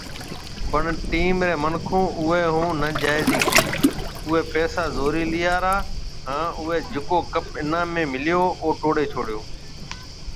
پڻ ٽيم ري منکون اوئي ھونناجائيزي ڪي اوئي پئسا زوري ليا را هان اوئي جڪو ڪپ انعام ۾ مليو او ٽوڙي ڇوڙيو